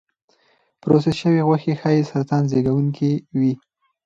پروسس شوې غوښې ښایي سرطان زېږونکي وي.